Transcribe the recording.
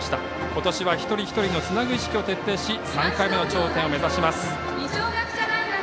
今年は一人一人のつなぐ意識を徹底し３回目の頂点を目指します。